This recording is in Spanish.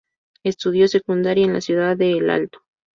Estudió secundaria en la ciudad de El Alto.